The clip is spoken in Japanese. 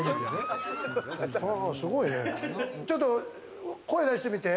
ちょっと声出してみて。